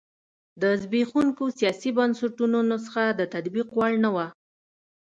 د زبېښونکو سیاسي بنسټونو نسخه د تطبیق وړ نه وه.